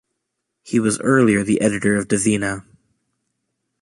He was earlier the editor of Divina.